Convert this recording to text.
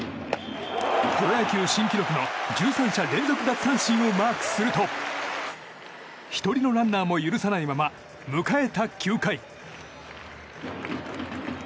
プロ野球新記録の１３者連続奪三振をマークすると１人のランナーも許さないまま迎えた９回。